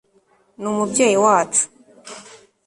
ni umubyeyi wacu